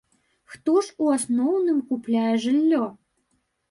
Хто ж у асноўным купляе жыллё?